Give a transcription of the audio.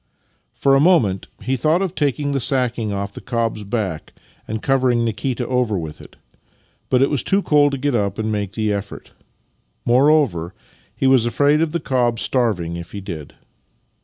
For a moment he thought of taking the sacking off the cob's back and covering Nikita over with it, but it was too cold to get up and make the effort. Moreover, he was afraid of the cob starving if he did.